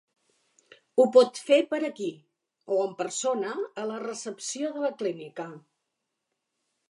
Ho pot fer per aquí, o en persona a la recepció de la clínica.